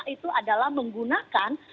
itu adalah menggunakan